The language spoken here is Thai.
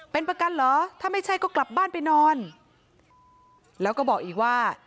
เป็นประกันเหรอถ้าไม่ใช่ก็กลับบ้านไปนอนแล้วก็บอกอีกว่า